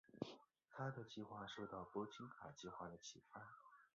他的计划受到波金卡计划的启发。